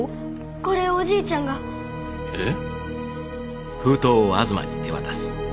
これをおじいちゃんがえっ？